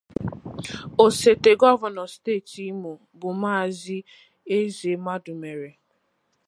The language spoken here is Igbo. osote gọvanọ steeti Imo bụ maazị Eze Madumere